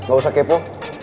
gak usah kepo